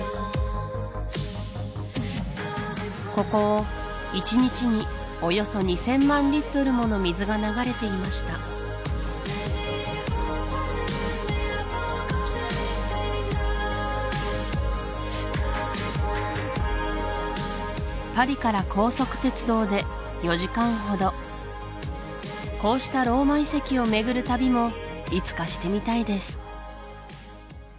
ここを１日におよそ２０００万リットルもの水が流れていましたパリから高速鉄道で４時間ほどこうしたローマ遺跡をめぐる旅もいつかしてみたいです